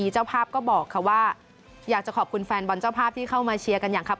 เจ้าภาพก็บอกค่ะว่าอยากจะขอบคุณแฟนบอลเจ้าภาพที่เข้ามาเชียร์กันอย่างครับ